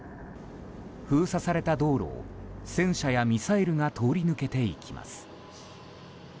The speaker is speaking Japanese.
封鎖された道路を戦車やミサイルが通り抜けていきます。